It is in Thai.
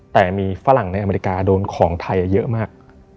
แต่มีฝรั่งในอเมริกาโดนของไทยเยอะมาก